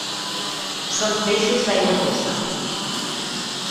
Són peixos d'aigua dolça.